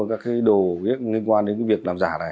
các đồ liên quan đến việc làm giả này